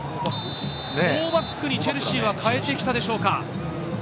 ４バックにチェルシーは変えてきたでしょうか。